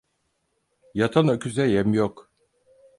Yatan öküze yem yok.